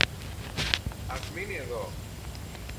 Ας μείνει εδώ.